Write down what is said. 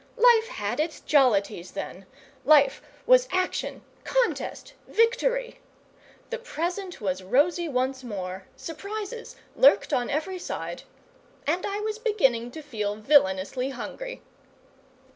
Life had its jollities, then; life was action, contest, victory! The present was rosy once more, surprises lurked on every side, and I was beginning to feel villainously hungry.